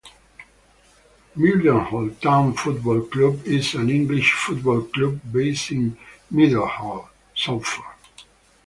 Mildenhall Town Football Club is an English football club based in Mildenhall, Suffolk.